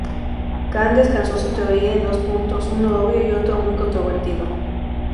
Kahn descansó su teoría en dos puntos, uno obvio y otro muy controvertido.